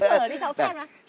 thử đi cháu xem nào